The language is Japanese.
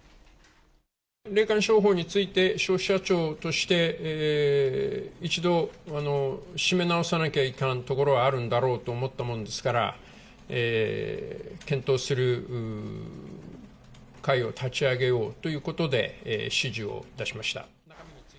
霊感商法について、消費者庁として一度、締め直さなきゃいかんところはあるんだろうと思ったものですから、検討する会を立ち上げようということで、指示をいたしました。